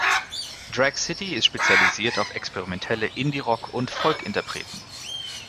Drag City ist spezialisiert auf experimentelle Indie-Rock- und Folk-Interpreten.